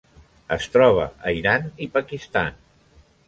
Es troba a Iran i Pakistan.